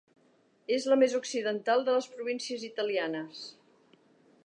És la més occidental de les províncies italianes.